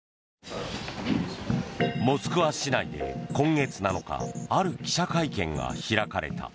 モスクワ市内で今月７日ある記者会見が開かれた。